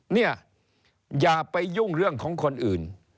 เนี่ยอย่าไปยุ่งเรื่องของคนอื่น